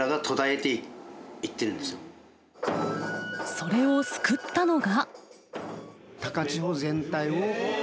それを救ったのが。